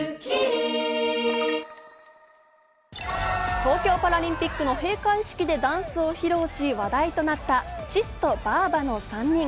東京パラリンピックの閉会式でダンスを披露し、話題となったＳＩＳとばあばの３人。